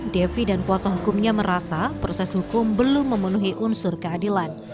devi dan kuasa hukumnya merasa proses hukum belum memenuhi unsur keadilan